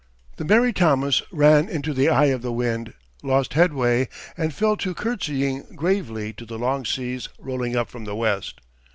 The Mary Thomas ran into the eye of the wind, lost headway, and fell to courtesying gravely to the long seas rolling up from the west.